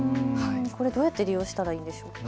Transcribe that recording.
これはどうやって利用したらいいんですか。